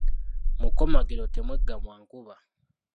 Mu kkomagiro temweggamwa nkuba.